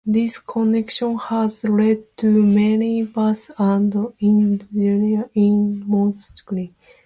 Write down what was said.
This condition has led to many deaths and injuries in mountaineering.